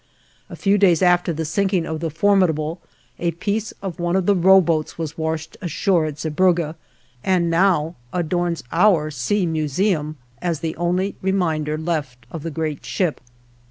A few days after the sinking of the "Formidable" a piece of one of the row boats was washed ashore at Zeebrugge, and now adorns our Sea Museum as the only reminder left of the great ship.